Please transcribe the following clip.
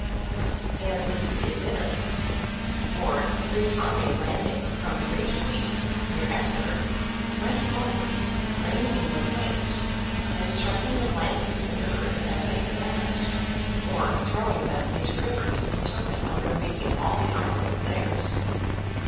And indeed it did. For, the great army landing from the great fleet, near Exeter, went forward, laying England waste, and striking their lances in the earth as they advanced, or throwing them into rivers, in token of their making all the island theirs.